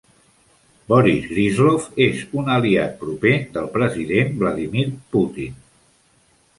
Boris Gryzlov és un aliat proper del president Vladimir Putin.